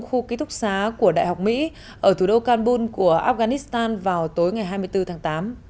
khu ký túc xá của đại học mỹ ở thủ đô canbul của afghanistan vào tối ngày hai mươi bốn tháng tám